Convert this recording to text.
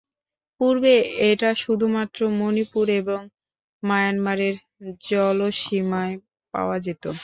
পূর্বে এটা শুধুমাত্র মনিপুর এবং মায়ানমারের জলসীমায় পাওয়া যেতো।